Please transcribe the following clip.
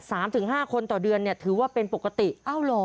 สามถึงห้าคนต่อเดือนเนี่ยถือว่าเป็นปกติอ้าวเหรอ